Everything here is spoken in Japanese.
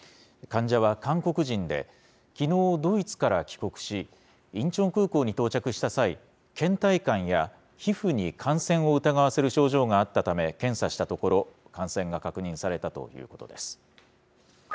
患者は韓国人で、きのうドイツから帰国し、インチョン空港に到着した際、けん怠感や皮膚に感染を疑わせる症状があったため、検査したところ、感染が確認されたということです。